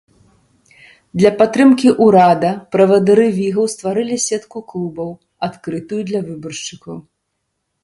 Для падтрымкі ўрада правадыры вігаў стварылі сетку клубаў, адкрытую для выбаршчыкаў.